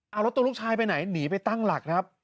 เอาแล้วตัวลูกชายไปไหนหนีไปตั้งหลักครับ